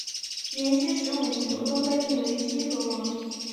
延熙十五年刘琮被立为西河王。